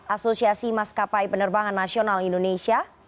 asosiasi maskapai penerbangan nasional indonesia